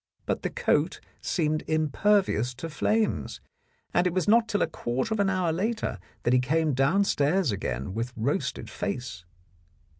But the coat seemed impervious to flames, and it was not till a quarter of an hour later that he came downstairs again with roasted face.